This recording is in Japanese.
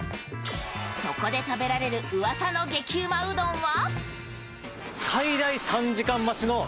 そこで食べられるうわさの激うまうどんは？